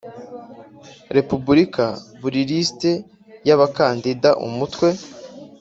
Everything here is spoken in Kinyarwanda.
Repubulika buri lisiti y abakandida Umutwe